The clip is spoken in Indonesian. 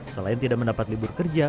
selain tidak mendapat libur kerja